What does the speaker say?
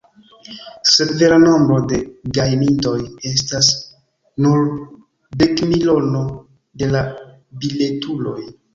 Sekve, la nombro de gajnintoj estas nur dekmilono de la biletuloj!